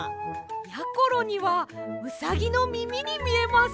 やころにはうさぎのみみにみえます。